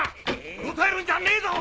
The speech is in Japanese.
うろたえるんじゃねえぞ！